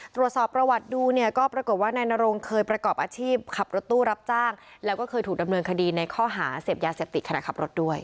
ตรวจสอบประวัติดูเนี่ยก็ปรากฏว่านายนรงเคยประกอบอาชีพขับรถตู้รับจ้างแล้วก็เคยถูกดำเนินคดีในข้อหาเสพยาเสพติดขณะขับรถด้วย